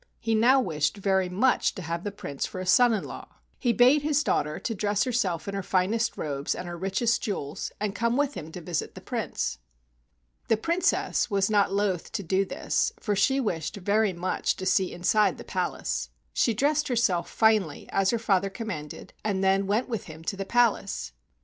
He now wished very much to have the Prince for a son in law. He bade his daughter dress herself in her finest robes and her richest jewels and come with him to visit the Prince. The Princess was not loath to do this, for she wished very much to see inside the palace. She dressed herself finely as her father com¬ manded and then went with him to the palace.